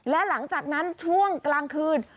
และหลังจากนั้นช่วงกลางคืน